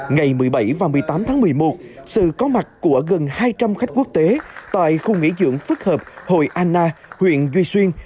ngày một mươi bảy và một mươi tám tháng một mươi một sự có mặt của gần hai trăm linh khách quốc tế tại khu nghỉ dưỡng phức hợp hội anna huyện duy xuyên